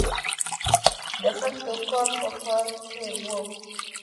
د خښتو کارول په ښارونو کې وو